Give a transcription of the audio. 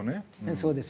そうですよね。